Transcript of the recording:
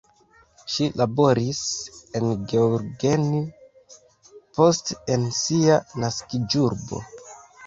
Ŝi laboris en Gheorgheni, poste en sia naskiĝurbo.